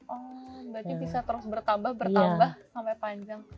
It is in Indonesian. oh berarti bisa terus bertambah bertambah sampai panjang